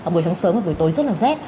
buổi sáng sớm và buổi tối rất là rét